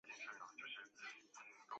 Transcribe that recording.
历朝水患尤以黄河为烈。